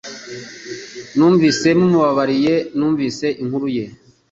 Numvise mumubabariye numvise inkuru ye